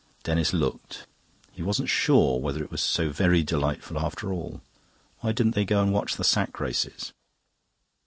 Denis looked. He wasn't sure whether it was so very delightful after all. Why didn't they go and watch the sack races?